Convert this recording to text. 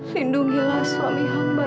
lindungilah suami hamba